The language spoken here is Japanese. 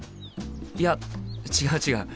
いや違う違う。